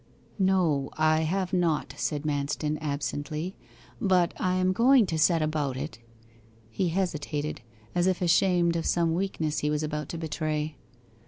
'No I have not,' said Manston absently. 'But I am going to set about it.' He hesitated, as if ashamed of some weakness he was about to betray.